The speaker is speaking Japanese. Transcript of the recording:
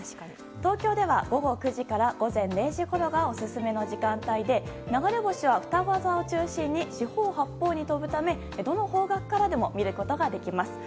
東京では午後９時から午前０時ごろがオススメの時間帯で流れ星は、ふたご座を中心に四方八方に飛ぶためどの方角からでも見ることができます。